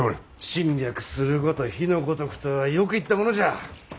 「侵略すること火の如く」とはよく言ったものじゃ。